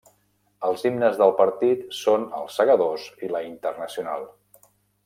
Els himnes del partit són Els Segadors i La Internacional.